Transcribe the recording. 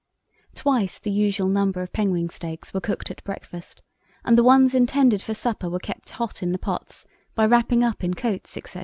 Twice the usual number of penguin steaks were cooked at breakfast, and the ones intended for supper were kept hot in the pots by wrapping up in coats, etc.